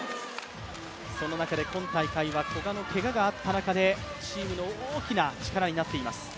その中で今大会は古賀のけががあった中で、チームの大きな力になっています。